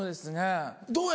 どうや？